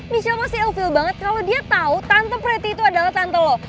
michelle masih elvil banget kalo dia tau tante preti itu adalah tante lo